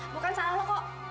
bukan salah lo kok